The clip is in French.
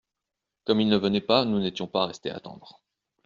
Comme il ne venait pas, nous n’étions pas restés attendre.